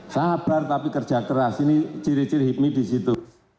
sabar tapi kerja keras ini ciri ciri hipmi di situ